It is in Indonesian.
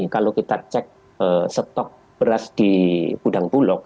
kalau kita cek stok beras di gudang bulog